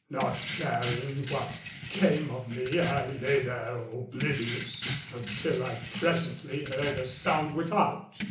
Not caring what came of me I lay there oblivious, until I presently heard a sound without.